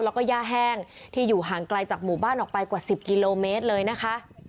แล้วก็ย่าแห้งที่อยู่ห่างไกลจากหมู่บ้านออกไปกว่า๑๐กิโลเมตรเลยนะคะ